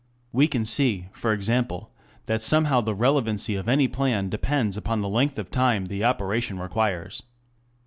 _] We can see, for example, that somehow the relevancy of any plan depends upon the length of time the operation requires.